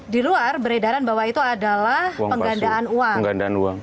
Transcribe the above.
di luar beredaran bahwa itu adalah penggandaan uang